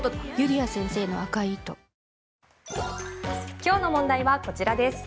今日の問題はこちらです。